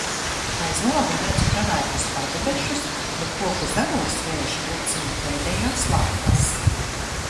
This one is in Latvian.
Aiz loga redzu pelēkus padebešus, bet koku zaros vējš plucina pēdējās lapas.